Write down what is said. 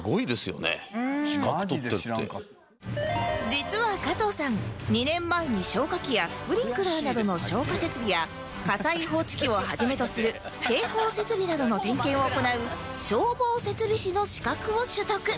実は加藤さん２年前に消火器やスプリンクラーなどの消火設備や火災報知器を始めとする警報設備などの点検を行う消防設備士の資格を取得